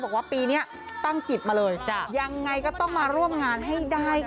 บอกว่าปีนี้ตั้งจิตมาเลยยังไงก็ต้องมาร่วมงานให้ได้ค่ะ